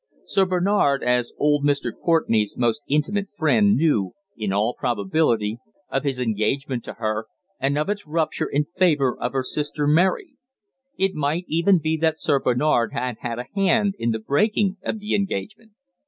Sir Bernard, as old Mr. Courtenay's most intimate friend, knew, in all probability, of his engagement to her, and of its rupture in favour of her sister Mary. It might even be that Sir Bernard had had a hand in the breaking of the engagement.